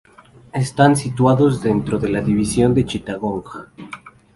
Están situados dentro de la división de Chittagong.